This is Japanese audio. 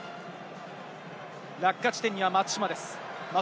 落下地点には松島です。